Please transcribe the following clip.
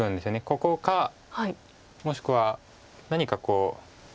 ここかもしくは何かこう。